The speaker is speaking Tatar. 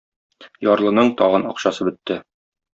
Ярлының тагын акчасы бетте.